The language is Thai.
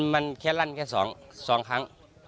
มันเคลียร์รั่นแค่สองสองครั้ง